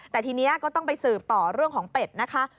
แต่ทีนี้ก็ต้องไปสืบต่อเรื่องของเป็ดนะคะ